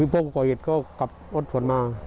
พวกกัวอิสก็กลับรถฝั่งมา